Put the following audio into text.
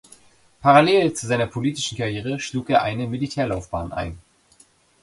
Parallel zu seiner politischen Karriere schlug er eine Militärlaufbahn ein.